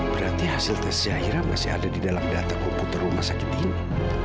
berarti hasil tesnya akhirnya masih ada di dalam data komputer rumah sakit ini